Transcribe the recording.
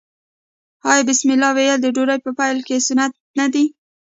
آیا بسم الله ویل د ډوډۍ په پیل کې سنت نه دي؟